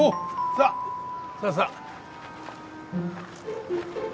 さあさあさあ。